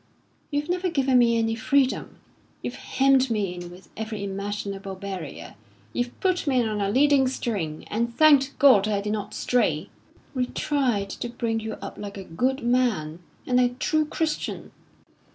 You've never given me any freedom. You've hemmed me in with every imaginable barrier. You've put me on a leading string, and thanked God that I did not stray." "We tried to bring you up like a good man, and a true Christian."